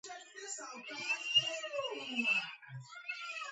მდებარეობს ხარკოვის ოლქის ზაჩეპილოვკის რაიონში.